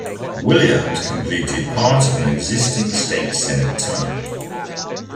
Williams completed part of an existing State Senate term.